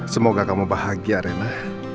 semoga kamu bahagia rena